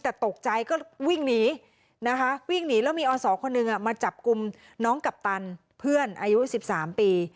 แต่ตกใจก็วิ่งหนีนะคะวิ่งหนีแล้วมีอศคนหนึ่งมาจับกลุ่มน้องกัปตันเพื่อนอายุ๑๓ปี